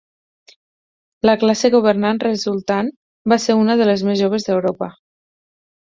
La classe governant resultant va ser una de les més joves d'Europa.